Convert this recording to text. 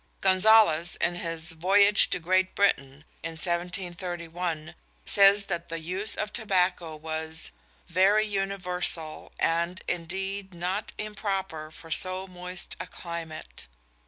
Gonzales, in his "Voyage to Great Britain," 1731, says that the use of tobacco was "very universal, and indeed not improper for so moist a climate."